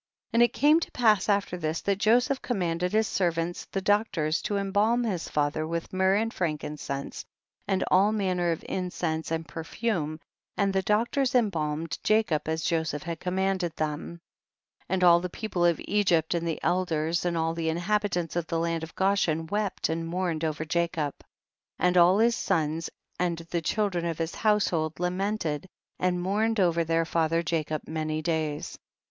29. And it came to pass after this that Joseph commanded his servants the doctors to embalm his father with myrrh and frankincense and all manner of incense and perfume, and the doctors embalmed Jacob as Joseph had commanded them. 30. And all the people of Egypt and the elders and all the inhabitants of the land of Goshen wept and mourned over Jacob, and all his sons and the children of his household lamented and mourned over their father Jacob many days. 31.